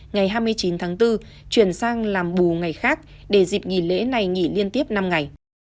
ngày hai mươi chín tháng bốn chuyển sang làm bù ngày khác để dịp nghỉ lễ này nghỉ liên tiếp năm ngày